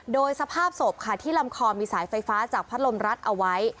โดยสภาพศพค่ะที่ลำคอมีสายไฟฟ้าจากพัดลมรัดเอาไว้